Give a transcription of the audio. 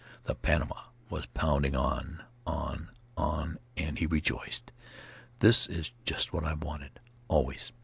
The Panama was pounding on, on, on, and he rejoiced, "This is just what I've wanted, always."